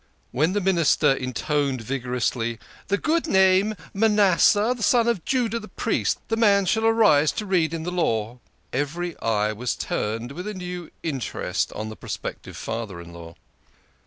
When the Minister intoned vigorously, " The good name, Manasseh, the son of Judah, the Priest, the man, shall arise to read in the Law," every eye was turned with a new inte. est on the prospective father in law.